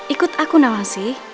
ikut aku nawangsi